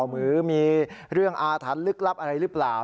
หรือมีเรื่องอาถรรพ์ลึกลับอะไรหรือเปล่า